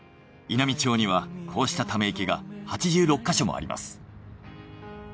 稲美町にはこうしたため池が８６ヵ所もあります。